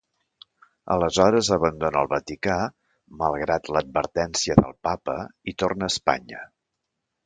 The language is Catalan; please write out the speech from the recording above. Aleshores abandona el Vaticà, malgrat l'advertència del Papa, i torna a Espanya.